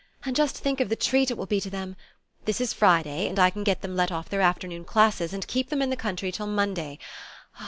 "And just think of the treat it will be to them! This is Friday, and I can get them let off from their afternoon classes, and keep them in the country till Monday.